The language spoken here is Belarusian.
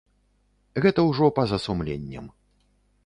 Гэта ўжо па-за сумленнем.